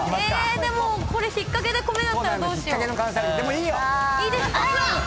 でもこれ引っ掛けで米だったらどうしよう⁉でもいいよ！